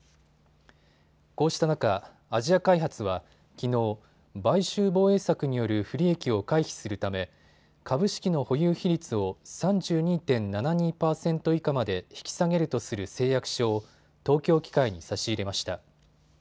こうした中、アジア開発はきのう、買収防衛策による不利益を回避するため株式の保有比率を３２．７２％以下まで引き下げるとする誓約書を東京機械に差し入れました。